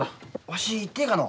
わし行ってええかの？